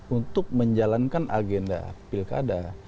untuk menjalankan agenda pilkada